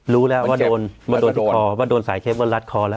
รู้แล้วว่าโดนว่าโดนที่คอว่าโดนสายเช็บว่ารัดคอแล้ว